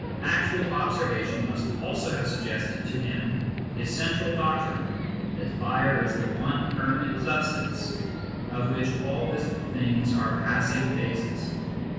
Actual observation must also have suggested to him his central doctrine, that Fire is the one permanent substance, of which all visible things are passing phases.